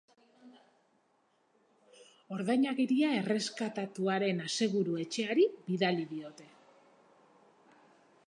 Ordainagiria erreskatatuaren aseguru-etxeari bidali diote.